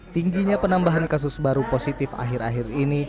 tingginya penambahan kasus baru positif akhir akhir ini